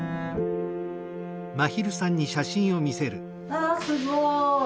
わあすごい。